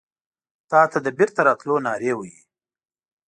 تاته د بیرته راتلو نارې وهې